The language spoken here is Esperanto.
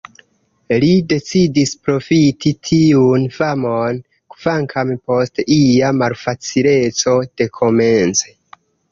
Li decidis profiti tiun famon, kvankam post ia malfacileco dekomence.